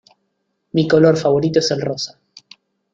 Mi color favorito es el rosa